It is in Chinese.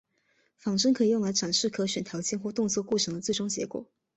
仿真可以用来展示可选条件或动作过程的最终结果。